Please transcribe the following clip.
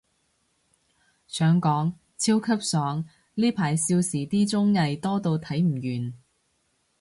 想講，超級爽，呢排少時啲綜藝，多到睇唔完